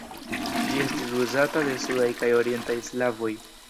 Ĝi estis uzata de sudaj kaj orientaj slavoj.